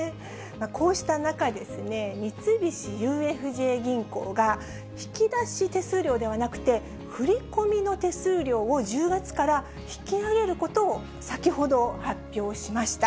こうした中、三菱ＵＦＪ銀行が、引き出し手数料ではなくて、振り込みの手数料を１０月から引き上げることを先ほど発表しました。